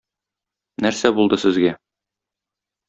Нәрсә булды сезгә?